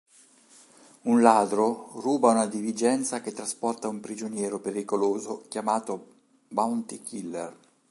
Un ladro ruba una diligenza che trasporta un prigioniero pericoloso chiamato Bounty Killer.